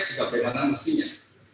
sebab demanan mestinya